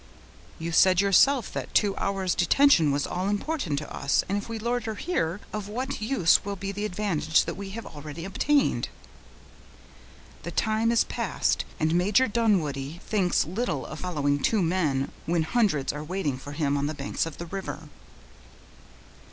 "You said yourself, that two hours' detention was all important to us, and if we loiter here, of what use will be the advantage that we may have already obtained?" "The time is past, and Major Dunwoodie thinks little of following two men, when hundreds are waiting for him on the banks of the river."